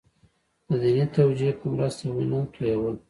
د دیني توجیه په مرسته وینه تویول.